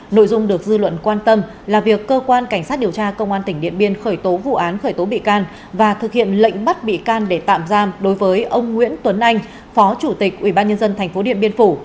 nội dung được dư luận quan tâm là việc cơ quan cảnh sát điều tra công an tỉnh điện biên khởi tố vụ án khởi tố bị can và thực hiện lệnh bắt bị can để tạm giam đối với ông nguyễn tuấn anh phó chủ tịch ubnd tp điện biên phủ